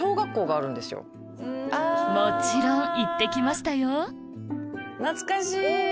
もちろん行ってきましたよ懐かしい！